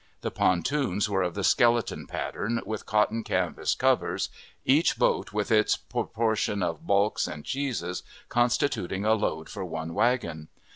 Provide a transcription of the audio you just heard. The pontoons were of the skeleton pattern, with cotton canvas covers, each boat, with its proportion of balks and cheeses, constituting a load for one wagon.